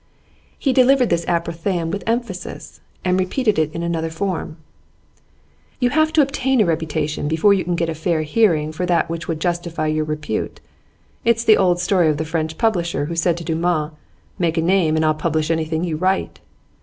He delivered this apophthegm with emphasis, and repeated it in another form. 'You have to obtain reputation before you can get a fair hearing for that which would justify your repute. It's the old story of the French publisher who said to Dumas: "Make a name, and I'll publish anything you write."